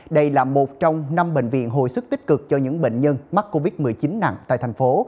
đây là một trong năm bệnh viện hồi sức tích cực cho những bệnh nhân mắc covid một mươi chín nặng tại thành phố